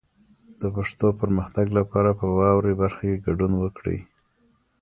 د پښتو پرمختګ لپاره په واورئ برخه کې ګډون وکړئ.